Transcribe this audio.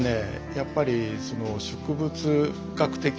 やっぱりその植物学的な。